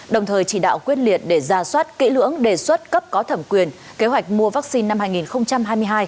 đồng thời chỉ đạo quyết liệt để ra soát kỹ lưỡng đề xuất cấp có thẩm quyền kế hoạch mua vaccine năm hai nghìn hai mươi hai